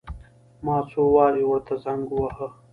ما څو وارې ورته زنګ وواهه.